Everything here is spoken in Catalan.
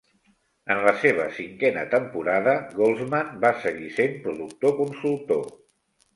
En la seva cinquena temporada, Goldsman va seguir sent productor consultor.